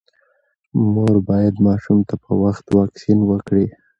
مور باید ماشوم ته په وخت واکسین وکړي۔